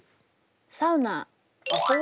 サウナ！